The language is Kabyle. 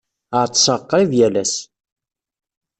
Ɛeḍḍseɣ qrib yal ass.